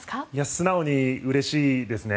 素直にうれしいですね。